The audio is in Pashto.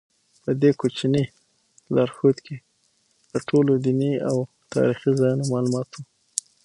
په دې کوچني لارښود کتاب کې د ټولو دیني او تاریخي ځایونو معلومات و.